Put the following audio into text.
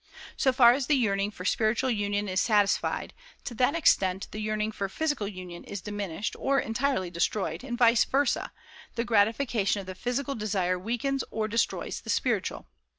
So far as the yearning for spiritual union is satisfied, to that extent the yearning for physical union is diminished or entirely destroyed; and, vice versa, the gratification of the physical desire weakens or destroys the spiritual.